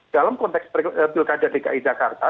dalam konteks pilkada dki jakarta